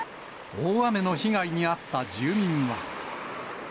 大雨の被害に遭った住民は。